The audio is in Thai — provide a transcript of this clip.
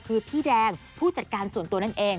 คือพี่แดงผู้จัดการส่วนตัวนั่นเอง